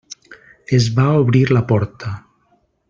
Es va obrir la porta.